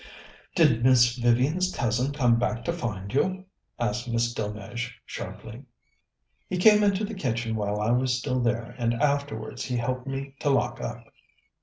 "Did Miss Vivian's cousin come back to find you?" asked Miss Delmege sharply. "He came into the kitchen while I was still there, and afterwards he helped me to lock up."